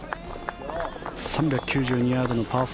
３９２ヤードのパー４。